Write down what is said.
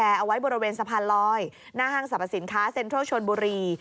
เอาไว้บริเวณสะพานลอยหน้าห้างสรรพสินค้าเซ็นทรัลชนบุรี